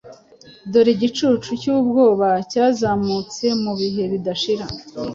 Dore, igicucu cyubwoba cyazamutse Mubihe bidashira!